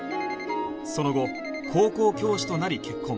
その後高校教師となり結婚